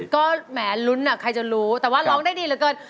ก็แหมลุ้นใครจะรู้แต่ว่าร้องได้ดีเหลือเกิน